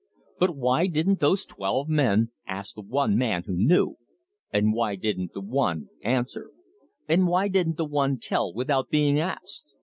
But why didn't those twelve men ask the One Man who knew, and why didn't the One answer? And why didn't the One tell without being asked?"